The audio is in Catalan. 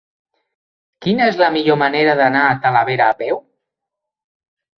Quina és la millor manera d'anar a Talavera a peu?